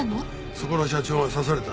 そこの社長が刺された。